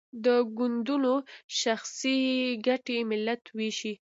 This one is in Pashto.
د ګوندونو شخصي ګټې ملت ویشي.